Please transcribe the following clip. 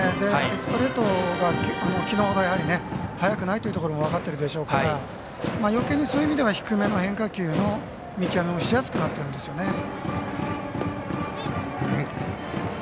ストレートがきのうより速くないということが分かってるでしょうからよけいにそういう意味では低めの変化球の見極めもしやすくなってるんですよね。